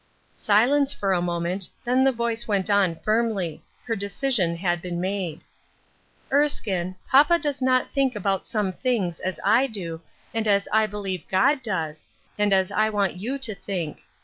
Silence for a moment : then the voice went on firmly. Her decision had been made. "Erskine, papa does not think about some things as I do, and as I believe God does, and as I want you to think.